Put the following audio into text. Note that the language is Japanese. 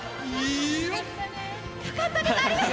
よかったです。